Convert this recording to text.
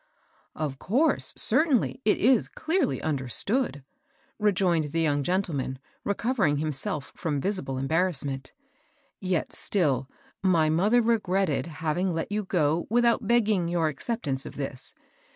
" Of course — certainly, it is clearly under stood," rejoined the young gentleman, recovering himself from visible embarrassment ;yet still my mother regretted having let you go without beg ging your acceptance of this.